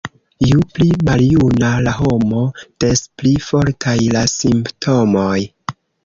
Ju pli maljuna la homo, des pli fortaj la simptomoj.